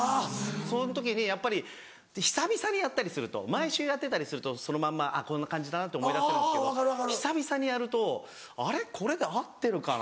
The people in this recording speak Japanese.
その時にやっぱり久々にやったりすると毎週やってたりするとそのまんまこんな感じだなって思い出せるんですけど久々にやると「あれ？これで合ってるかな？」。